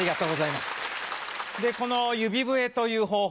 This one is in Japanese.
でこの指笛という方法